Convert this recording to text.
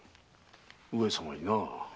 上様になあ。